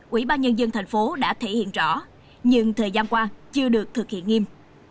quỹ ba nhân dân thành phố đã thể hiện rõ nhưng thời gian qua chưa được thực hiện nghiêm